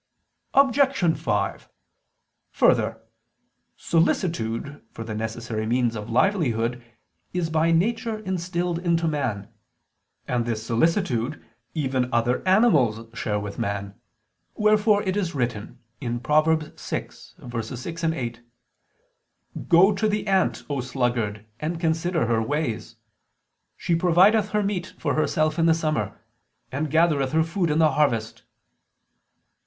Obj. 5: Further, solicitude for the necessary means of livelihood is by nature instilled into man, and this solicitude even other animals share with man: wherefore it is written (Prov. 6:6, 8): "Go to the ant, O sluggard, and consider her ways ... she provideth her meat for herself in the summer, and gathereth her food in the harvest."